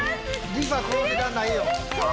リファこの値段ないよ！